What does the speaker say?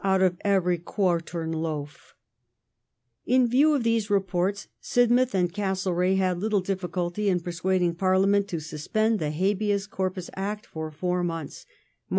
out of every quartern loaf ".^ Repressive In view of these Reports Sidmouth and Castlereagh had little measures (Jiflfjcult}' in pei*suading Parliament to suspend the Habeas Corpus VAct for four months (Mar.